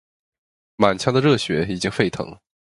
满腔的热血已经沸腾，